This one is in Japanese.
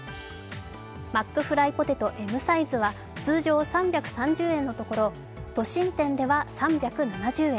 マックフライポテトＭサイズは通常３３０円のところ都心店では３７０円